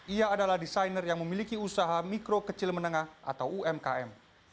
ia adalah desainer yang memiliki usaha mikro kecil menengah atau umkm